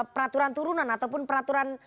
peraturan turunan ataupun peraturan